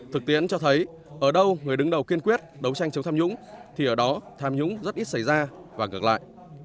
thực tiễn cho thấy ở đâu người đứng đầu kiên quyết đấu tranh chống tham nhũng thì ở đó tham nhũng rất ít xảy ra và ngược lại